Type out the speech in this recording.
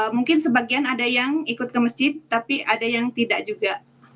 mungkin sebagian ada yang ikut ke masjid tapi ada yang tidak juga